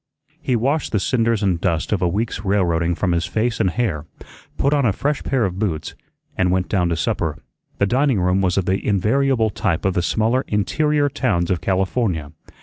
He washed the cinders and dust of a week's railroading from his face and hair, put on a fresh pair of boots, and went down to supper. The dining room was of the invariable type of the smaller interior towns of California.